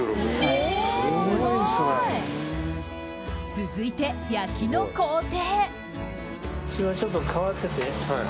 続いて、焼きの工程。